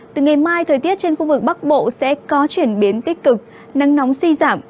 từ ngày mai thời tiết trên khu vực bắc bộ sẽ có chuyển biến tích cực nắng nóng suy giảm